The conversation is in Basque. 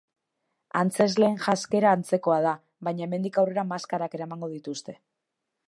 Antzezleen janzkera antzekoa da, baina hemendik aurrera maskarak eramango dituzte.